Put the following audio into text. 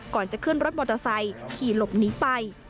ก่อนจะขึ้นรถมอเตอร์ไซค์ขี่หลบหนีไป